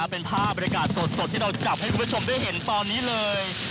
เป็นภาพบริการสดที่เราจับให้คุณผู้ชมได้เห็นตอนนี้เลย